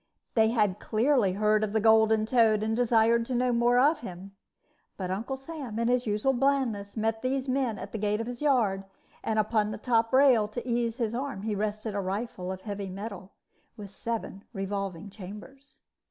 They had clearly heard of the golden toad, and desired to know more of him; but Uncle Sam, with his usual blandness, met these men at the gate of his yard, and upon the top rail, to ease his arm, he rested a rifle of heavy metal, with seven revolving chambers.